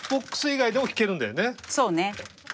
そうね。